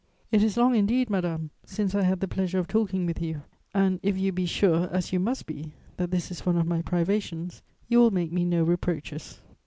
"It is long indeed, madame, since I had the pleasure of talking with you, and, if you be sure, as you must be, that this is one of my privations, you will make me no reproaches....